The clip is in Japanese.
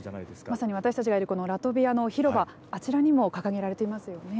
まさに私たちがいるこのラトビアの広場あちらにも掲げられていますよね。